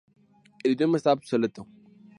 El idioma está obsoleto.